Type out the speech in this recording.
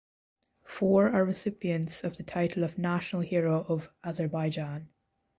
Four are recipients of the title of National Hero of Azerbaijan.